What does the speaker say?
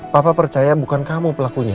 papa percaya bukan kamu pelakunya